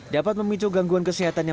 dapat memicu gangguan kesehatan